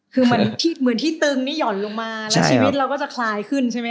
คือเหมือนที่ตึงนี่ห่อนลงมาแล้วชีวิตเราก็จะคลายขึ้นใช่ไหม